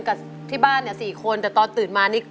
กับที่บ้าน๔คนแต่ตอนตื่นมา